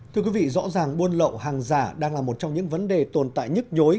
thưa quý vị rõ ràng buôn lậu hàng giả đang là một trong những vấn đề tồn tại nhức nhối